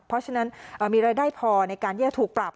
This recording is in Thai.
เพราะฉะนั้นมีรายได้พอในการที่จะถูกปรับ